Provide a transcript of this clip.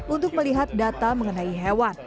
untuk melihat darah